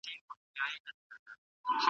انا په ډېرې بېړه سره د ماشوم خواته ورغله.